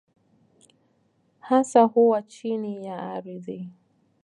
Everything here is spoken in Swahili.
Hasa huwa chini ya ardhi.